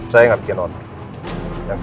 saya tidak buatrectuinis